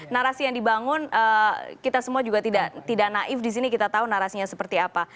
narasi yang dibangun kita semua juga tidak naif di sini kita tahu narasinya seperti apa